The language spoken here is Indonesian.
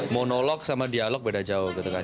monolog sama dialog beda jauh gitu kan